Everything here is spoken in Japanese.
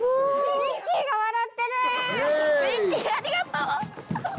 ミッキーありがとう！